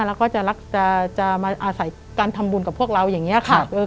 แล้วก็จะมาอาศัยการทำบุญกับพวกเราอย่างนี้ค่ะ